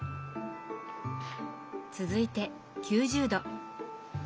続いて９０℃。